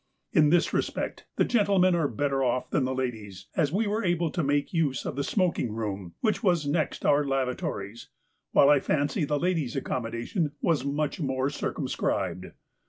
In this respect the gentlemen are better off than the ladies, as we were able to make use of the smoking room which was next our lavatories, while I fancy the ladies' accommodation was much more circumscribed.